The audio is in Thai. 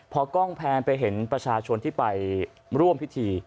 พอกล้องแพนไปเห็นประชาชนที่ไปร่วมพิธี